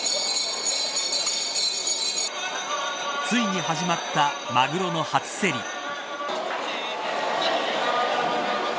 ついに始まったマグロの初競り。